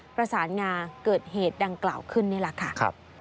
ประสานงาเกิดเหตุดังกล่าวขึ้นนี่แหละค่ะ